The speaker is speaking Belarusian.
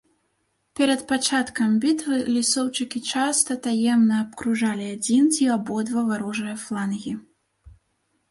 Перад пачаткам бітвы лісоўчыкі часта таемна абкружалі адзін ці абодва варожыя флангі.